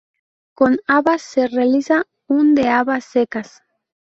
Con habas se realiza un de habas secas.